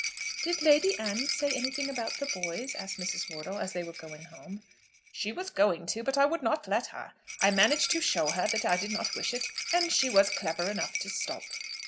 "Did Lady Anne say anything about the boys?" asked Mrs. Wortle, as they were going home. "She was going to, but I would not let her. I managed to show her that I did not wish it, and she was clever enough to stop."